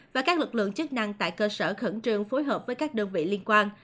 và các lực lượng chức năng tại cơ sở khẩn trương phối hợp với các đơn vị liên quan